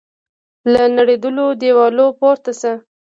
له نړېدلو دیوالو پورته سه